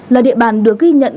là địa bàn được ghi nhận